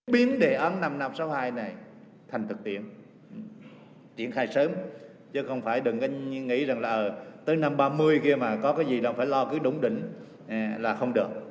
biến đề án năm nghìn năm trăm sáu mươi hai này thành thực tiện triển khai sớm chứ không phải đừng nghĩ rằng là tới năm ba mươi kia mà có cái gì nó phải lo cứ đúng định là không được